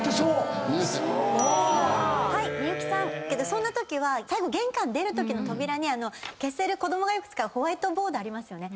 そんなときは最後玄関出るときの扉に消せる子供がよく使うホワイトボードありますよね。